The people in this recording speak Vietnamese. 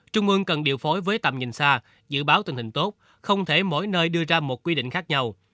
trung ương cần điều phối với tầm nhìn xa dự báo tình hình tốt không thể mỗi nơi đưa ra một quy định khác nhau